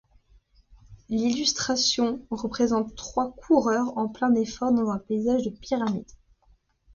L'illustration représente trois coureurs en plein effort dans un paysage de Pyramides.